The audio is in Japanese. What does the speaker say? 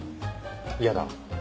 嫌だ。